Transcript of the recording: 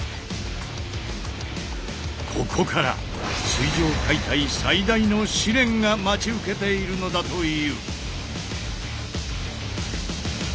ここから水上解体最大の試練が待ち受けているのだという。